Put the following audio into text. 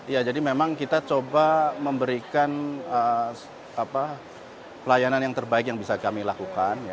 ya jadi memang kita coba memberikan pelayanan yang terbaik yang bisa kami lakukan